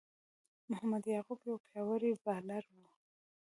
محمد یعقوب یو پياوړی بالر وو.